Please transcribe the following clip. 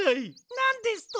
なんですと！